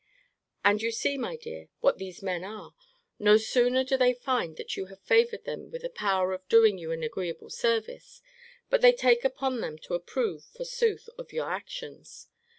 And you see, my dear, what these men are no sooner do they find that you have favoured them with the power of doing you an agreeable service, but they take upon them to approve, forsooth, of your actions!